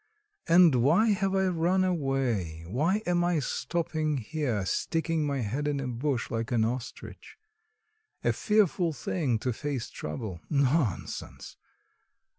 And why have I run away, why am I stopping here sticking my head in a bush, like an ostrich? A fearful thing to face trouble... nonsense!